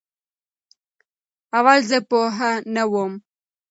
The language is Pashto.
اول زه پوهه نه وم